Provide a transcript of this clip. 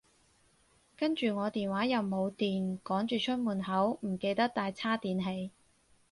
跟住我電話又冇電，趕住出門口，唔記得帶叉電器